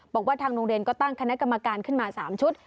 บอกว่าทางโรงเรียนก็ตั้งคณะกรรมการขึ้นมา๓ชุด